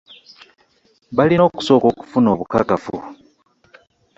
Balina okusooka okufuna obukakafu.